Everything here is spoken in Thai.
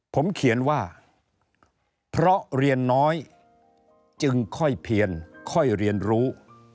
ผมเขียนว่าเพราะเรียนน้อยจึงค่อยเพียนค่อยเรียนรู้